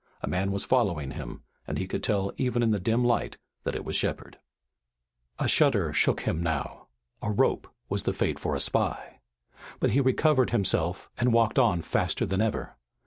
A man was following him, and he could tell even in the dim light that it was Shepard. A shudder shook him now. A rope was the fate for a spy. But he recovered himself and walked on faster than ever.